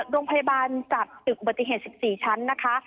โรงพยาบาลจัดตึกอุบัติเหตุ๑๔ชั้นนะคะ